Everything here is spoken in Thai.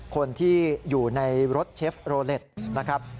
คนที่อยู่ในรถเชฟโรเล็ตนะครับ